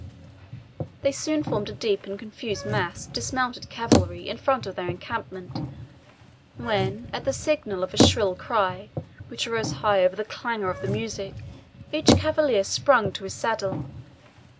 They soon formed a deep and confused mass of dismounted cavalry in front of their encampment, when, at the signal of a shrill cry, which arose high over the clangour of the music, each cavalier sprung to his saddle.